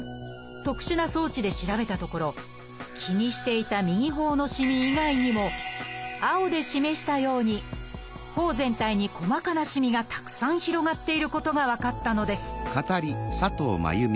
特殊な装置で調べたところ気にしていた右頬のしみ以外にも青で示したように頬全体に細かなしみがたくさん広がっていることが分かったのです